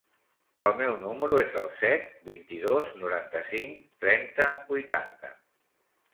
El meu número es el set, vint-i-dos, noranta-cinc, trenta, vuitanta.